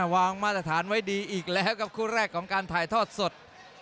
มาตรฐานไว้ดีอีกแล้วกับคู่แรกของการถ่ายทอดสด